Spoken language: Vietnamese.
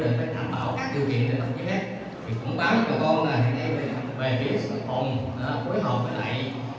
ngoại truyền thông báo cho các con về việc sửa chống cuối hợp với lại bên hồn hiến đi đấy